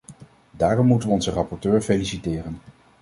Daarom moeten we onze rapporteur feliciteren.